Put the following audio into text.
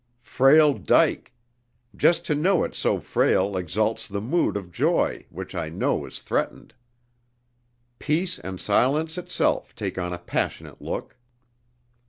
Frail dyke! Just to know it so frail exalts the mood of Joy which I know is threatened. Peace and silence itself take on a passionate look!...